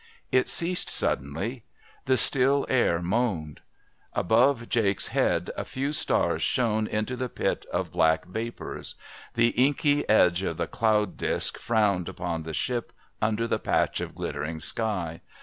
It ceased suddenly. The still air moaned. Above Jakes' head a few stars shone into the pit of black vapours. The inky edge of the cloud disc frowned upon the ship under the patch of glittering sky.